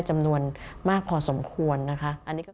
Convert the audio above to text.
จำนวนมากพอสมควรนะคะ